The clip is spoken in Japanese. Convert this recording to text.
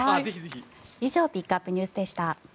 以上ピックアップＮＥＷＳでした。